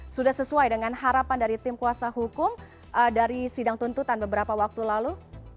sudah sesuai dengan harapan dari tim kuasa hukum dari sidang tuntutan beberapa waktu lalu